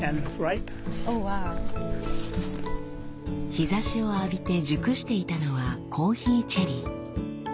日ざしを浴びて熟していたのはコーヒーチェリー。